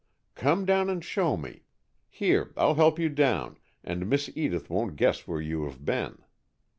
"Come down and show me. Here, I'll help you down, and Miss Edith won't guess where you have been."